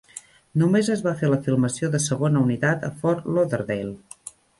Només es va fer la filmació de segona unitat a Fort Lauderdale.